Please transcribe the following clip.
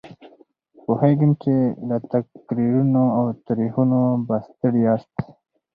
پوهېږم چې له تقریرونو او تاریخونو به ستړي یاست.